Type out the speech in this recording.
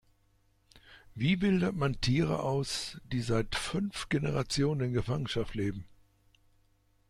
Wie wildert man Tiere aus, die seit fünf Generationen in Gefangenschaft leben?